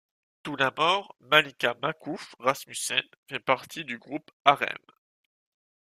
Tout d'abord, Malika Makouf Rasmussen fait partie du groupe Harem.